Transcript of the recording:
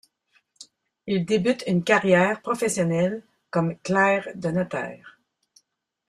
Il débute une carrière professionnelle comme clerc de notaire.